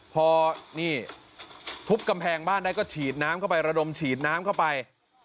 พอนี่ทุบกำแพงบ้านได้ก็ฉีดน้ำเข้าไประดมฉีดน้ำเข้าไป